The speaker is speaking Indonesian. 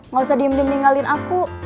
gak usah diem diem ninggalin aku